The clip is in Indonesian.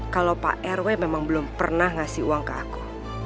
kalau pak rw memang belum pernah ngasih uang ke aku